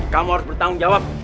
kamu harus bertanggung jawab